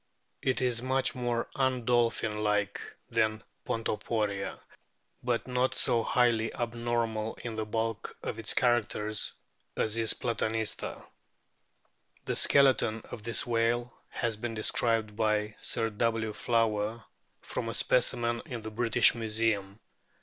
It is much more un dolphin like than Pontoporia, but not so highly abnormal in the bulk of its characters as is Platanista. ANOMALOUS DOLPHINS 297 The skeleton of this whale has been described by Sir W. Flower^ from a specimen in the British Museum.